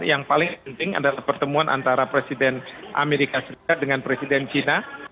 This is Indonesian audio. yang paling penting adalah pertemuan antara presiden amerika serikat dengan presiden china